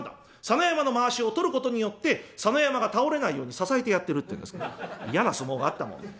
佐野山のまわしを取ることによって佐野山が倒れないように支えてやってるっていうんですから嫌な相撲があったもんで。